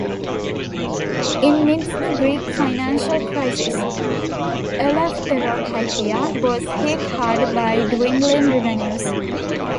Inmidst the Greek financial crisis, "Eleftherotypia" was hit hard by dwindling revenues.